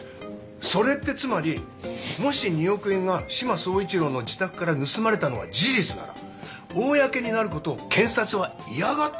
それってつまりもし２億円が志摩総一郎の自宅から盗まれたのが事実なら公になることを検察は嫌がったってことか。